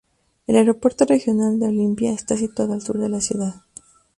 El Aeropuerto Regional de Olympia está situado al sur de la ciudad.